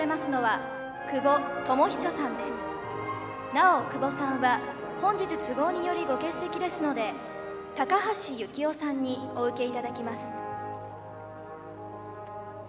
なお久保さんは本日都合によりご欠席ですので高橋幸夫さんにお受けいただきます。